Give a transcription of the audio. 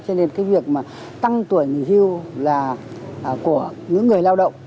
cho nên cái việc mà tăng tuổi nghỉ hưu là của những người lao động